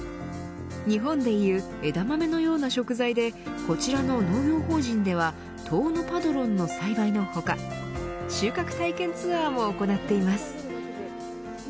日本でいう枝豆のような食材でこちらの農業法人では遠野パドロンの栽培の他収穫体験ツアーも行っています。